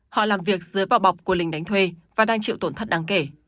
họ làm việc dưới vỏ bọc của linh đánh thuê và đang chịu tổn thất đáng kể